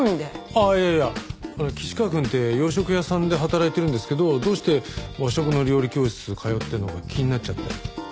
ああいやいや岸川くんって洋食屋さんで働いてるんですけどどうして和食の料理教室通ってるのか気になっちゃって。